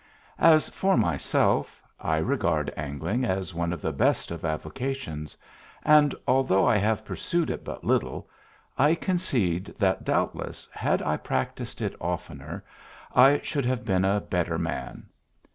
As for myself, I regard angling as one of the best of avocations, and although I have pursued it but little, I concede that doubtless had I practised it oftener I should have been a better man.